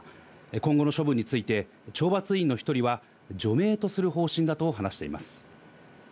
今後の処分について、懲罰委員の１人は、除名とする方針だと話しています。